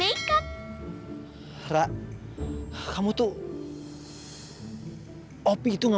ih siapa tahu opi di mal tahu gak